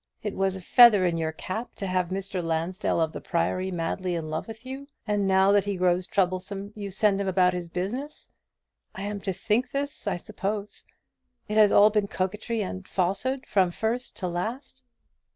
It was a feather in your cap to have Mr. Lansdell of the Priory madly in love with you; and now that he grows troublesome, you send him about his business. I am to think this, I suppose. It has all been coquetry and falsehood, from first to last."